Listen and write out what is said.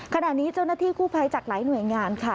ขณะนี้เจ้าหน้าที่กู้ภัยจากหลายหน่วยงานค่ะ